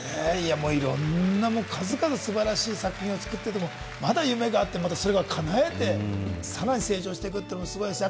いろんな数々の素晴らしい作品を作ってもまだ夢があって、またそれを叶えて、さらに成長していくってのがすごいですね。